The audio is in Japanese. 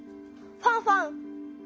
ファンファン！